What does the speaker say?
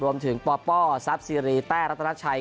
รวมถึงป่อป่อซับซีรีแต่รัตนาชัย